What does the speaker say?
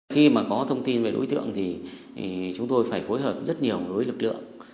khi mà có thông tin về đối tượng thì chúng tôi phải phối hợp rất nhiều với lực lượng